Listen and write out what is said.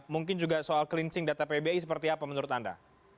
mungkin juga soal cleansing data pbi seperti apa menurut anda